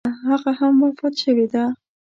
نه هغه هم وفات شوې ده.